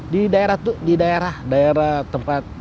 di daerah daerah tempat